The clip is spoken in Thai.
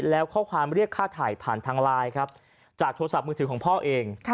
แล้วข้อความเรียกค่าถ่ายผ่านทางไลน์ครับจากโทรศัพท์มือถือของพ่อเอง